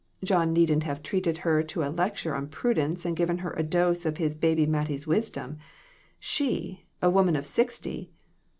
John needn't have treated her to a lecture on prudence and given her a dose of his baby Mattie's wisdom she, a woman of sixty